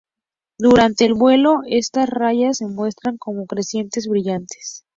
Durante el vuelo, estas rayas se muestran como crecientes brillantes.